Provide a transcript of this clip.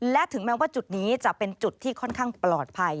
และถึงแม้ว่าจุดนี้จะเป็นจุดที่ค่อนข้างปลอดภัย